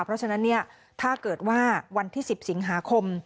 เพราะฉะนั้นถ้าเกิดว่าวันที่๑๐สิงหาคม